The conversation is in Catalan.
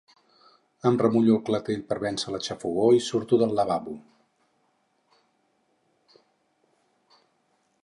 Em remullo el clatell per vèncer la xafogor i surto del lavabo.